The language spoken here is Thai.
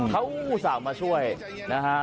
เขาสามารถช่วยนะฮะ